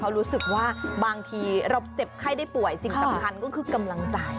เขารู้สึกว่าบางทีเราเจ็บไข้ได้ป่วยสิ่งสำคัญก็คือกำลังใจ